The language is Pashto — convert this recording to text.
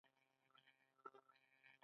د سرې عناب هیواد افغانستان.